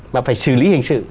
mà phải xử lý hình sự